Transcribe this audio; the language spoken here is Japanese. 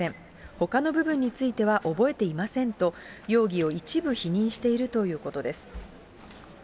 ほかの部分については覚えていませんと、容疑を一部否認しているということです。